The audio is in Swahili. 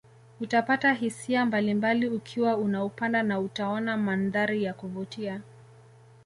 Utapata hisia mbalimbali ukiwa unaupanda na utaona mandhari ya kuvutia